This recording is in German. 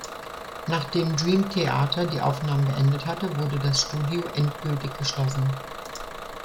Nachdem Dream Theater die Aufnahmen beendet hatte, wurde das Studio endgültig geschlossen.